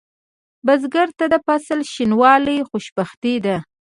بزګر ته د فصل شینوالی خوشبختي ده